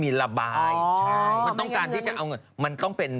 ให้บุญมันถึง